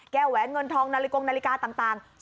แหวนเงินทองนาฬิกงนาฬิกาต่าง